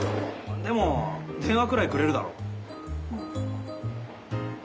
でも電話くらいくれるだろ。